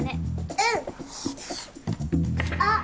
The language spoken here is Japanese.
うん。あっ！